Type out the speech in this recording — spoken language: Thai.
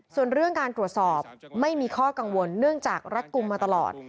ส่วนเรื่องการตรวจสอบไม่มีข้อกังวลเนื่องจากรัดกลุ่มมาตลอด